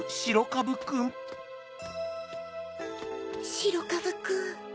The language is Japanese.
しろかぶくん。